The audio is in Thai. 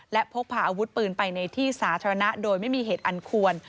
และพกพาอาวุธปืนไปในที่สาธารณะโดยไม่มีเหตุอันควร